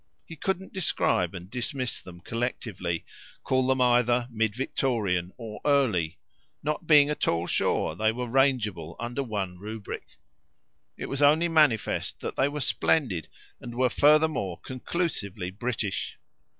He couldn't describe and dismiss them collectively, call them either Mid Victorian or Early not being certain they were rangeable under one rubric. It was only manifest they were splendid and were furthermore conclusively British.